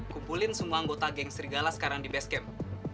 kumpulin semua anggota geng serigala sekarang di basecamp